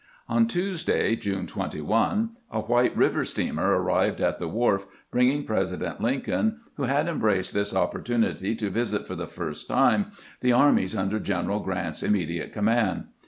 On Tuesday, June 21, a white river steamer arrived at the wharf, bringing President Lincoln, who had em braced this opportunity to visit for the first time the armies under General Grant's immediate command.